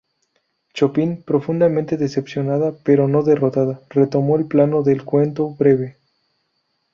Chopin, profundamente decepcionada pero no derrotada, retomó el plano del cuento breve.